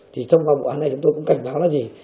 thì trong vụ bộ án này chúng tôi cũng cảnh báo là gì